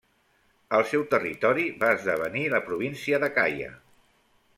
El seu territori va esdevenir la província d'Acaia.